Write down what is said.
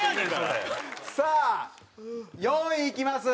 さあ４位いきます。